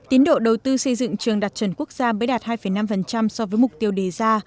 tín độ đầu tư xây dựng trường đặt trần quốc gia mới đạt hai năm so với mục tiêu đề ra